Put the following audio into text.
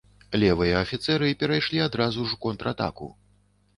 Левыя афіцэры перайшлі адразу ж у контратаку.